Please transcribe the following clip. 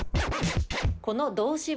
この動詞は？